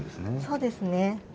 そうですね。